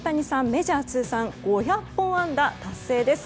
メジャー通算５００本安打達成です。